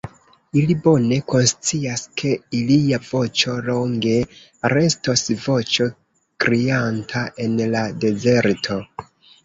Ili bone konscias, ke ilia voĉo longe restos voĉo krianta en la dezerto.